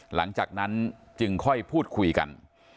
หลังจากนั้นจึงค่อยพูดคุยกัน